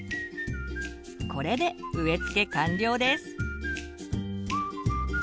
これで植えつけ完了です！